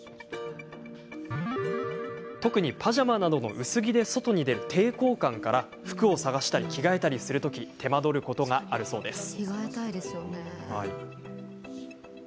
特にパジャマなどの薄着で外に出る抵抗感から服を捜したり着替えたりするとき手間取ることがあるそうです。